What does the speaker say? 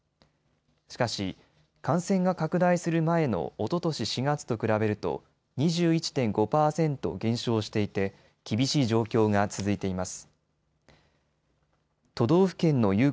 しかし、感染が拡大する前のおととし４月と比べると２１．５％減少していて厳しい状況が続いています。